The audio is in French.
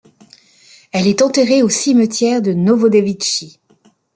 Elle est enterrée au cimetière de Novodevitchi.